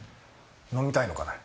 飲みたいのかね？